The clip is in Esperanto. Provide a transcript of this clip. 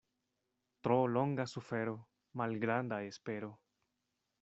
Tro longa sufero — malgranda espero.